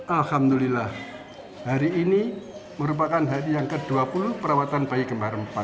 alhamdulillah hari ini merupakan hari yang ke dua puluh perawatan bayi kembar empat